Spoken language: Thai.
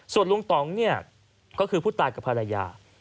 ส่วนลุงต่องเนี่ยก็คือผู้ตายกับภรรยา